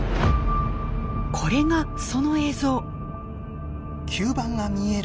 これがその映像。